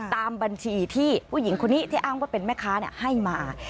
ตามบัญชีที่ผู้หญิงคนนี้ที่อ้างว่าเป็นแม่ค้าให้มา